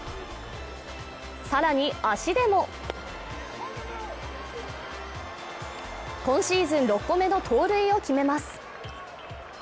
さらに、足でも今シーズンの６個目の盗塁を決めます。